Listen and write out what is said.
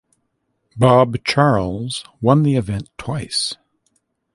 Bob Charles won the event twice.